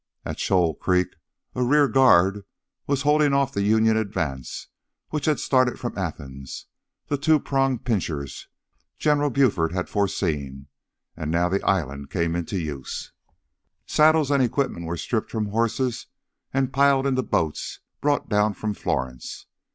At Shoal Creek a rear guard was holding off the Union advance which had started from Athens, the two pronged pinchers General Buford had foreseen. And now the island came into use. Saddles and equipment were stripped from horses and piled into the boats brought down from Florence.